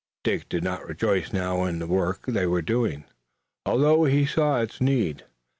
Dick did not rejoice now in the work they were doing, although he saw its need.